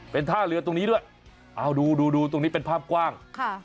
เป็นท่าเรือตรงนี้ด้วยเอาดูดูตรงนี้เป็นภาพกว้าง